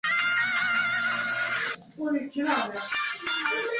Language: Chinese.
我逃出来